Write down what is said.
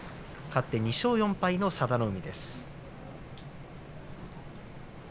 勝って２勝４敗の佐田の海です。